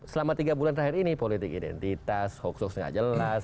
selama tiga bulan terakhir ini politik identitas hoax hoax tidak jelas